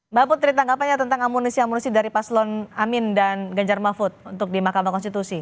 mbak putri tangkapannya tentang amunisi amunisi dari paslon amin dan genjar mahfud untuk di mk